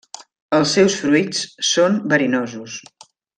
Els seus fruits són verinosos.